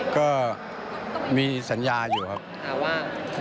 ก็มีสัญญาอยู่ครับว่า